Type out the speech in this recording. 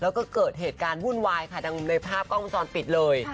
แล้วก็เกิดเหตุการณ์วุ่นวายค่ะดังในภาพกล้องวงจรปิดเลย